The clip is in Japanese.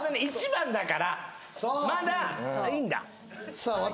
１番だからまだいいんだ私